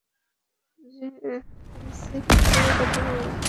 Receive করে কথা বলো!